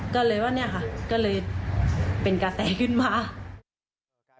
ก็เลยว่าเนี่ยค่ะก็เลยเป็นกระแสขึ้นมา